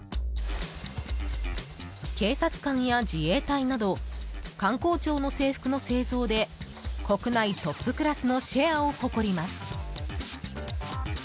警察官や自衛隊など官公庁の制服の製造で国内トップクラスのシェアを誇ります。